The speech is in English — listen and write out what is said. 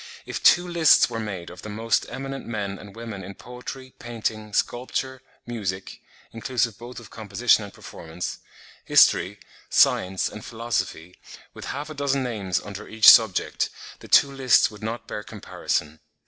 If two lists were made of the most eminent men and women in poetry, painting, sculpture, music (inclusive both of composition and performance), history, science, and philosophy, with half a dozen names under each subject, the two lists would not bear comparison.